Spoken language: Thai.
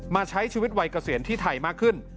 ใช้ชีวิตวัยเกษียณที่ไทยมากขึ้น